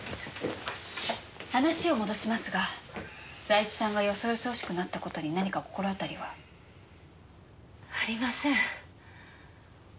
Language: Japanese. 話を戻しますが財津さんがよそよそしくなった事に何か心当たりは？ありません。